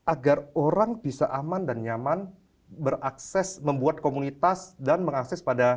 agar orang bisa aman dan nyaman berakses membuat komunitas dan mengakses pada